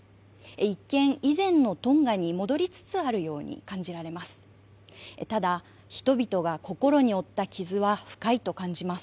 一見、以前のトンガに戻りつつあるように感じられます。